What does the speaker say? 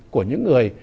của những người